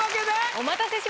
お待たせしました。